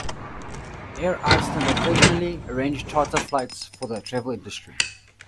Air Iceland occasionally arrange charter flights for the travel industry.